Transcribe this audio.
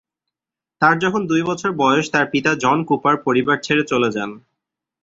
তার যখন দুই বছর বয়স তার পিতা জন কুপার পরিবার ছেড়ে চলে যান।